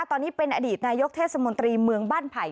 ตอนนี้เป็นอดีตนายกเทศมนตรีเมืองบ้านไผ่